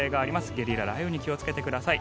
ゲリラ雷雨に気をつけてください。